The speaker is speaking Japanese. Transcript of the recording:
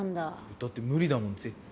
だって無理だもん絶対。